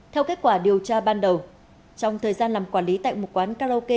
theo kết quả điều tra ban đầu trong thời gian làm quản lý tại một quán karaoke